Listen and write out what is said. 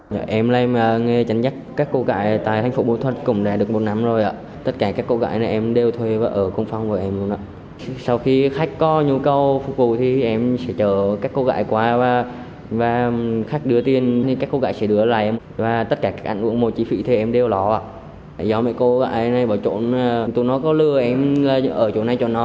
do mấy cô gái này bỏ trộn tụi nó có lừa em ở chỗ này trộn nó